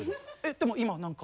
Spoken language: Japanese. でも今何か。